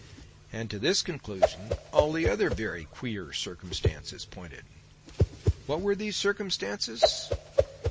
And to this conclusion all the other very queer circumstances pointed. What were these circumstances?